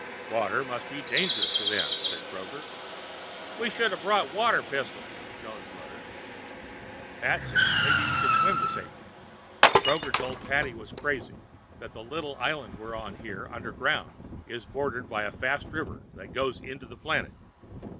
"Water must be dangerous to them," said Kroger. "We shoulda brought water pistols," Jones muttered. Pat said maybe we can swim to safety. Kroger told Pat he was crazy, that the little island we're on here underground is bordered by a fast river that goes into the planet.